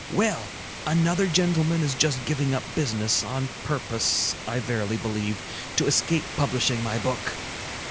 "Well, another gentleman is just giving up business, on purpose, I verily believe, to escape publishing my book.